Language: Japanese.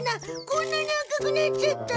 こんなに赤くなっちゃった。